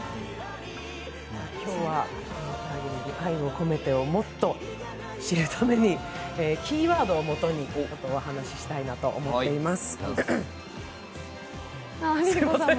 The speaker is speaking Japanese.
今日は、「ラーゲリより愛を込めて」をもっと知るためにキーワードをもとに、お話ししたいと思っています。